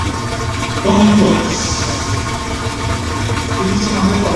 Upeichaite jekoraka'e ojehúkuri.